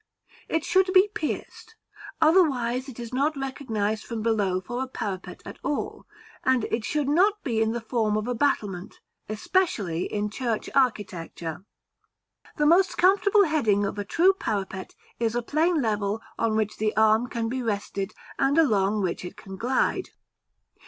It should be pierced, otherwise it is not recognised from below for a parapet at all, and it should not be in the form of a battlement, especially in church architecture. The most comfortable heading of a true parapet is a plain level on which the arm can be rested, and along which it can glide.